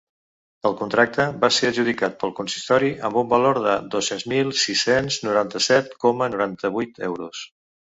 El contracte va ser adjudicat pel consistori amb un valor de dos-cents mil sis-cents noranta-set coma noranta-vuit euros.